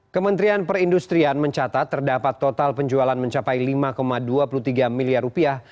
kementerian perindustrian mencatat terdapat total penjualan mencapai lima dua puluh tiga miliar rupiah